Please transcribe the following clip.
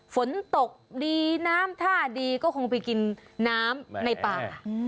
ฝนตกดีน้ำท่าดีก็คงไปกินน้ำในป่า